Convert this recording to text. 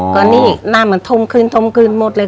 ก็นี่น้ำมันทมขึ้นหมดเลย